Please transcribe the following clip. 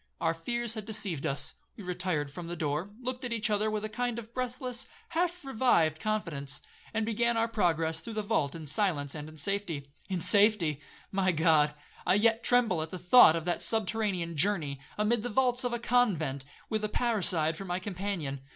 Our fears had deceived us; we retired from the door, looked at each other with a kind of breathless, half revived confidence, and began our progress through the vault in silence and in safety. In safety! my God! I yet tremble at the thought of that subterranean journey, amid the vaults of a convent, with a parricide for my companion.